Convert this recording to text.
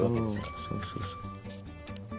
そうそうそう。